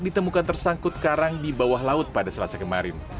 ditemukan tersangkut karang di bawah laut pada selasa kemarin